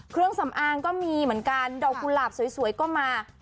เครื่องสำอางก็มีเหมือนกันดอกกุหลาบสวยก็มา